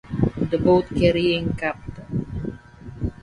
The boat carrying Capt.